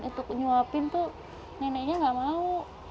untuk nyuapin tuh neneknya gak mau